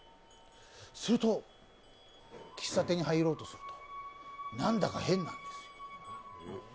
すると、喫茶店に入ろうとするとなーんだか変なんです。